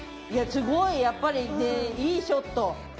いやすごいやっぱりねいいショット。